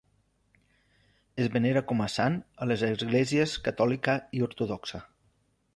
Es venera com a sant a les esglésies catòlica i ortodoxa.